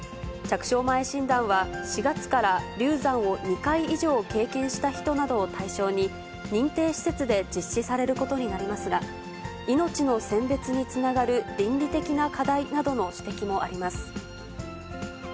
着床前診断は４月から流産を２回以上経験した人などを対象に、認定施設で実施されることになりますが、命の選別につながる倫理的な課題などの指摘もあります。